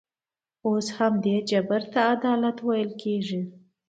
اوس همدې جبر ته عدالت ویل کېږي.